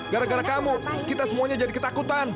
gara gara kamu kita semuanya jadi ketakutan